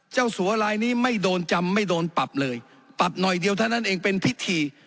สัวลายนี้ไม่โดนจำไม่โดนปรับเลยปรับหน่อยเดียวเท่านั้นเองเป็นพิธี